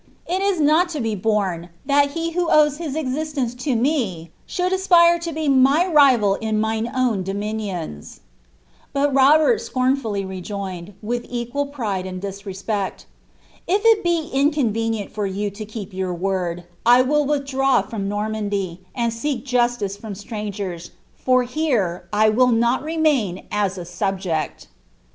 It is not to be borne, that he who owes his existence to me should aspire to be my riral in mine own dominions." Bill Itoberl scornfully rejoined, with equal pride and disrespect. '^ If it be inconvenient for you to keep your word, I will withdraw from Noi numdy, and seek justice f(x>m strangers ; for here 1 will not remain u a subject."